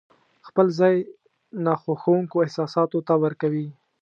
خپل ځای ناخوښونکو احساساتو ته ورکوي.